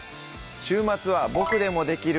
週末は「ボクでもできる！